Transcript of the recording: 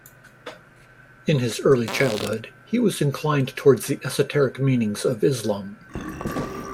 In his early childhood, he was inclined towards the esoteric meanings of Islam.